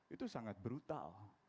itu sangat brutal